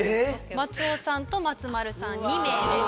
松尾さんと松丸さん２名です。